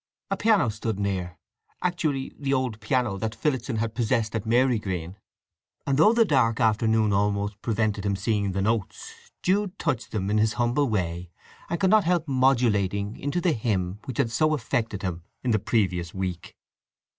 A piano stood near—actually the old piano that Phillotson had possessed at Marygreen—and though the dark afternoon almost prevented him seeing the notes Jude touched them in his humble way, and could not help modulating into the hymn which had so affected him in the previous week.